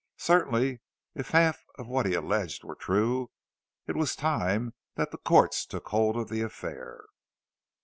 Certainly, if half of what he alleged were true, it was time that the courts took hold of the affair.